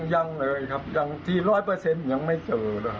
ยังเลยครับที่ร้อยเปอร์เซ็นต์ยังไม่เจอนะครับ